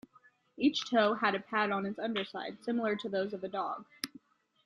Each toe had a pad on its underside, similar to those of a dog.